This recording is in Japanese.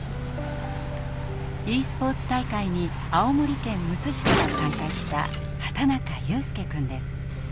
ｅスポーツ大会に青森県むつ市から参加した畑中悠翼くんです。